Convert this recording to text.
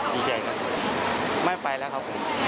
ดีใจครับไม่ไปแล้วครับผม